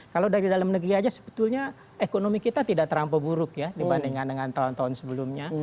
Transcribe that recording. kalau dari dalam negeri saja sebetulnya ekonomi kita tidak terampau buruk ya dibandingkan dengan tahun tahun sebelumnya